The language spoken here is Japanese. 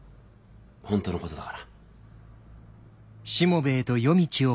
本当のことだから。